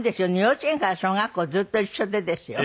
幼稚園から小学校ずっと一緒でですよ